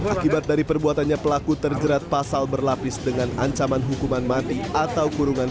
akibat dari perbuatannya pelaku terjerat pasal berlapis dengan ancaman hukuman mati atau kurungan